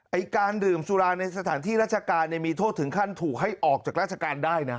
การดื่มสุราในสถานที่ราชการเนี่ยมีโทษถึงขั้นถูกให้ออกจากราชการได้นะ